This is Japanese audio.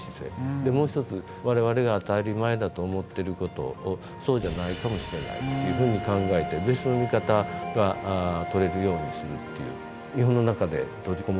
もう一つ我々が当たり前だと思ってることをそうじゃないかもしれないっていうふうに考えて別の見方がとれるようにするっていう。